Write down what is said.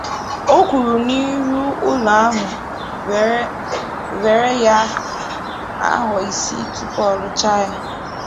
O kwuru na ịrụ ụlọ ahụ wèrè ya ahọ isii tupu ọ rụchaa ya